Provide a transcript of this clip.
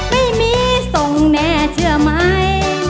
ไม่มีส่งแน่เชื่อไหม